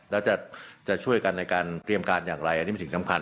แล้วจะช่วยกันในการเตรียมการอย่างไรอันนี้เป็นสิ่งสำคัญ